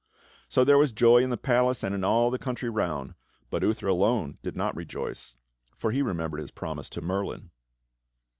So there was joy in the palace and in all the country round, but Uther alone did not rejoice, for he remembered his promise to Merlin.